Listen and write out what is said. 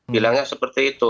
bilangnya seperti itu